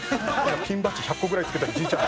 ピンバッジ１００個ぐらい着けてるじいちゃん。